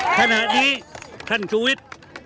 ขณะนี้ท่านชูวิทย์